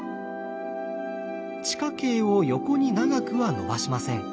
地下茎を横に長くは伸ばしません。